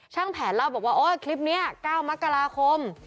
ช่างแผนแล้วบอกว่าโอ๊ยคลิปนี้๙มักราคม